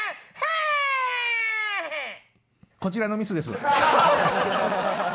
こちらのミスです。